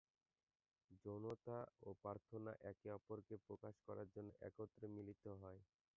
যৌনতা ও প্রার্থনা একে অপরকে প্রকাশ করার জন্য একত্রে মিলিত হয়।